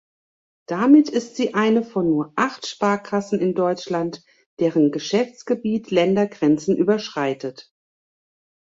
Damit ist sie eine von nur acht Sparkassen in Deutschland, deren Geschäftsgebiet Ländergrenzen überschreitet.